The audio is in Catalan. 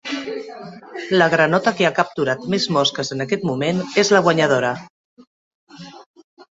La granota que ha capturat més mosques en aquest moment és la guanyadora.